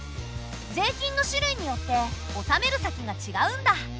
税金の種類によって納める先がちがうんだ。